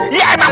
ya emang begitu